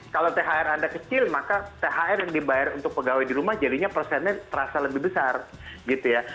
kalau thr anda kecil maka thr yang dibayar untuk pegawai di rumah jadinya persennya terasa lebih besar gitu ya